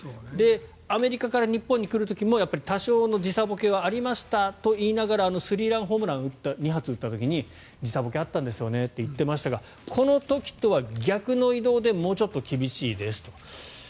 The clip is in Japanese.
アメリカから日本に来る時も多少の時差ぼけはありましたと言いながらあのスリーランホームランを２発打った時に時差ぼけあったんですよねと言ってましたがこの時とは逆の移動でもうちょっと厳しいですと。